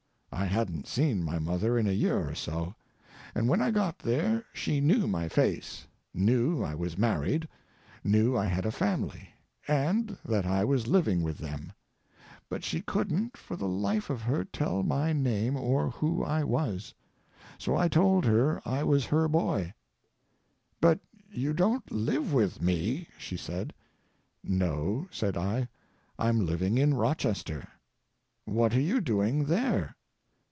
I hadn't seen my mother in a year or so. And when I got there she knew my face; knew I was married; knew I had a family, and that I was living with them. But she couldn't, for the life of her, tell my name or who I was. So I told her I was her boy. "But you don't live with me," she said. "No," said I, "I'm living in Rochester." "What are you doing there?"